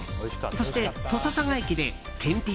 そして土佐佐賀駅で天日